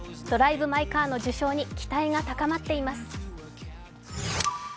「ドライブ・マイ・カー」の受賞に期待が高まっています。